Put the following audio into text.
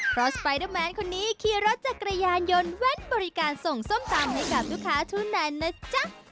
เพราะสปายเดอร์แมนคนนี้เครียร์รถจะกระยานยนต์แว่นบริการส่งส้มตำให้กับทุกค้าทุนานนะจ๊ะ